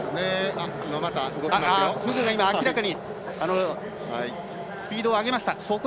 フグが明らかにスピードを上げました。